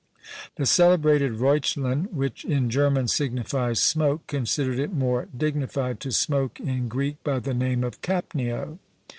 The celebrated Reuchlin, which in German signifies smoke, considered it more dignified to smoke in Greek by the name of Capnio.